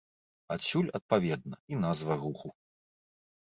Адсюль, адпаведна, і назва руху.